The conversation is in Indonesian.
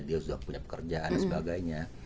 dia sudah punya pekerjaan dan sebagainya